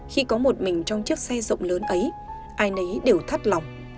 khi có một mình trong chiếc xe rộng lớn ấy ai nấy đều thắt lòng